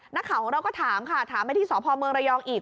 นักข่าวของเราก็ถามค่ะถามมาที่สมรยอีก